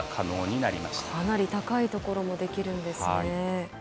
かなり高い所もできるんですね。